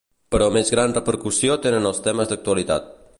Però més gran repercussió tenen els temes d’actualitat.